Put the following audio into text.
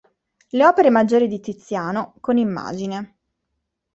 Le opere maggiori di Tiziano, con immagine.